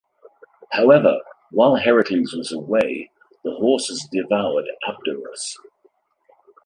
However, while Heracles was away, the horses devoured Abderus.